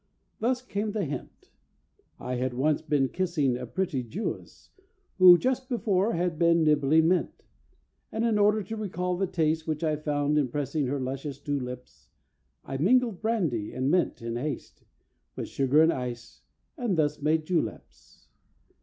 Thus came the hint: I had once been kissing a pretty Jewess, Who just before had been nibbling mint; And in order to recall the taste Which I found in pressing her luscious two lips, I mingled brandy and mint, in haste, With sugar and ice—and thus made Juleps.